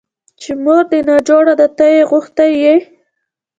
چې مور دې ناجوړه ده ته يې غوښتى يې.